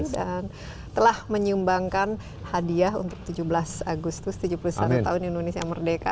dan telah menyumbangkan hadiah untuk tujuh belas agustus tujuh puluh satu tahun indonesia merdeka